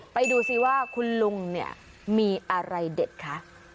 ไปดูซิว่าคุณลุงเนี่ยมีอะไรเด็ดคะ